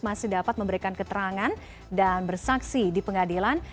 masih dapat memberikan keterangan dan bersaksi di pengadilan